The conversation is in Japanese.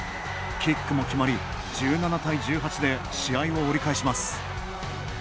キックも決まり、１７対１８で試合を折り返します。